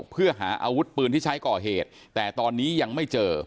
เพื่อหาอาวุธปืนที่ใช้ก่อเหตุแต่ตอนนี้ยังไม่เจอ